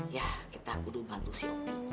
yah kita kudu bantu si opi